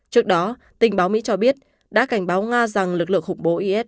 trước đó tình báo mỹ cho biết đã cảnh báo nga rằng lực lượng khủng bố is